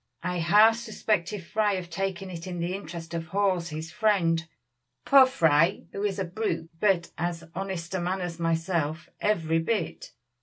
"I half suspected Fry of taking it in the interest of Hawes, his friend. Poor Fry, who is a brute, but as honest a man as myself, every bit.